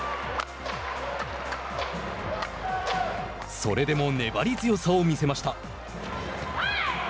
それでも粘り強さを見せました。